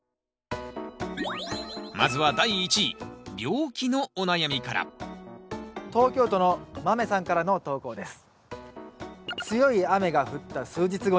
まずは第１位病気のお悩みから東京都の豆さんからの投稿です。